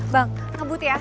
bang ngebut ya